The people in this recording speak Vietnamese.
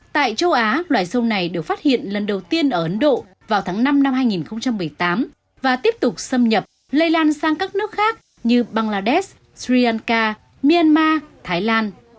tại châu á loài sâu này được phát hiện lần đầu tiên ở ấn độ vào tháng năm năm hai nghìn một mươi tám và tiếp tục xâm nhập lây lan sang các nước khác như bangladesh sri lanka myanmar thái lan